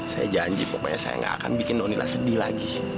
saya janji pokoknya saya gak akan bikin nonila sedih lagi